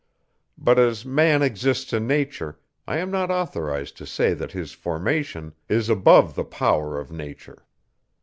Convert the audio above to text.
But as man exists in nature, I am not authorized to say that his formation, is above the power of nature.